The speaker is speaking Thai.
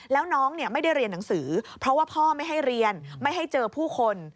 แล้วน้องไม่ได้เรียนหนังสือเพราะว่าพ่อไม่ให้เรียนไม่ให้เจอผู้คน